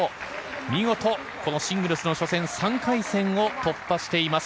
見事、このシングルスの初戦３回戦を突破しています。